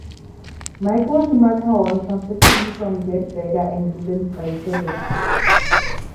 Michael Schumacher won comfortably from Gerhard Berger and Rubens Barrichello.